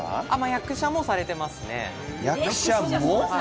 役者もされてますね。